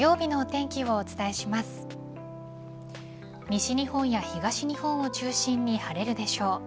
西日本や東日本を中心に晴れるでしょう。